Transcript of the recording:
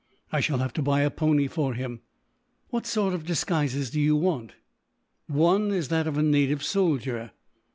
I shall have to buy a pony for him." "What sort of disguises do you want?" "One is that of a native soldier."